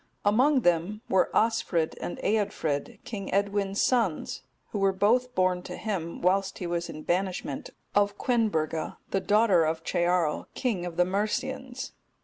Among them were Osfrid and Eadfrid, King Edwin's sons who were both born to him, whilst he was in banishment, of Quenburga, the daughter of Cearl, king of the Mercians.